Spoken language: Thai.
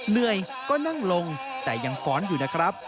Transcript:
เหนื่อยก็นั่งลงแต่ยังฟ้อนอยู่นะครับ